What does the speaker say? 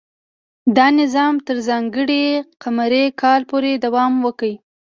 دا نظام تر ځانګړي قمري کال پورې دوام وکړ.